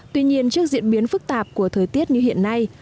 tuy nhiên trước diễn biến phức tạp của thời tiết như hiện nay